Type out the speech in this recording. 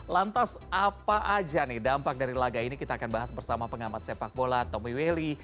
lantas apa aja nih dampak dari laga ini kita akan bahas bersama pengamat sepak bola tommy welly